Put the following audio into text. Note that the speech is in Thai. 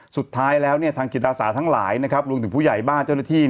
สุดท้ายแล้วทางกิจตราศาสตร์ทั้งหลายรวมถึงผู้ใหญ่บ้านเจ้าหน้าที่